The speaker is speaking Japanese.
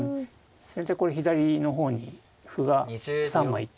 先手これ左の方に歩が３枚いて。